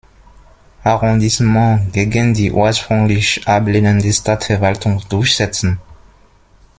Arrondissement gegen die ursprünglich ablehnende Stadtverwaltung durchsetzen.